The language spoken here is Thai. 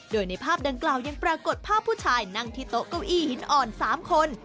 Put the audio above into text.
โดยในภาพดังกล่าวยังปรากฏภาพผู้ชายนั่งที่โต๊ะเก้าอี้หินอ่อน๓คน